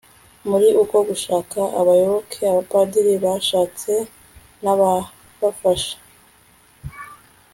muri uko gushaka abayoboke, abapadiri bashatse n'ababafasha